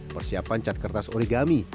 persiapan cat kertas origami